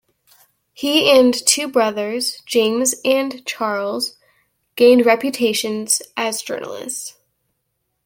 He and two brothers - James and Charles, gained reputations as journalists.